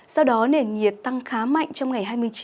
sau đó nền nhiệt tăng khá mạnh trong ngày hai mươi chín